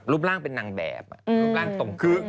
รูปร่างเป็นนางแบบรูปร่างต่งตัว